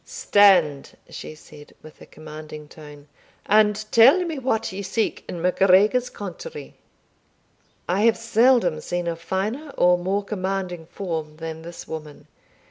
"Stand!" she said, with a commanding tone, "and tell me what ye seek in MacGregor's country?" I have seldom seen a finer or more commanding form than this woman.